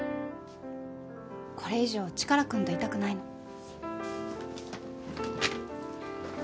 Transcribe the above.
これ以上チカラくんといたくないの。